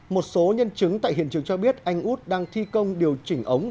một số nhân chứng tại hiện trường cho biết anh út đang thi công điều chỉnh ống